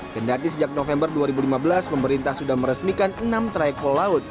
kendati sejak november dua ribu lima belas pemerintah sudah meresmikan enam trayek pol laut